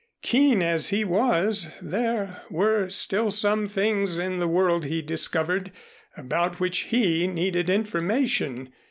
Keen as he was, there were still some things in the world, he discovered, about which he needed information.